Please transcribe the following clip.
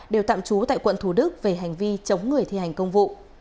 đều tạm trú tại quận thủ đức về hành vi chống người thi hành công vụ